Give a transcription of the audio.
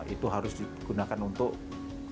itu harus digunakan untuk